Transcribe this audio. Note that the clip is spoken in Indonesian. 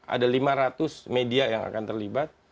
ada lima ratus media yang akan terlibat